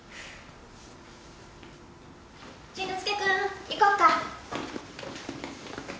・淳之介君行こうか。